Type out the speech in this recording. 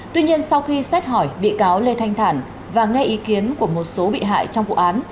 tuy nhiên sau khi xét hỏi bị cáo lê thanh thản và nghe ý kiến của một số bị hại trong vụ án